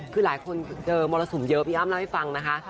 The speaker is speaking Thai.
คือหลายคนเจอมรสุมเยอะพี่อ้ำเล่าให้ฟังนะคะ